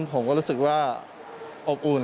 ผมก็รู้สึกว่าอบอุ่น